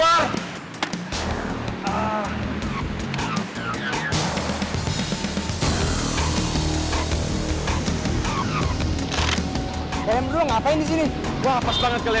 udah dua sobat terusin marika